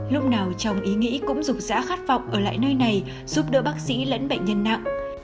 lúc nào trong ý nghĩ cũng rục rã khát vọng ở lại nơi này giúp đỡ bác sĩ lẫn bệnh nhân nặng